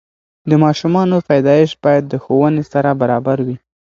د ماشومانو پیدایش باید د ښوونې سره برابره وي.